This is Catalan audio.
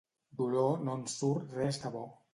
D'Oló no en surt res de bo.